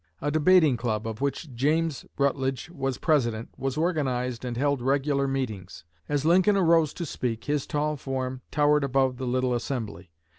A debating club, of which James Rutledge was president, was organized and held regular meetings. As Lincoln arose to speak, his tall form towered above the little assembly.